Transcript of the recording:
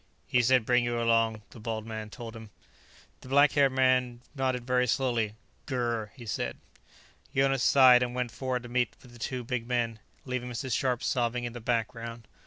"He said bring you along," the bald man told him. The black haired man nodded very slowly. "Gur," he said. Jonas sighed and went forward to meet the two big men, leaving Mrs. Scharpe sobbing in the background.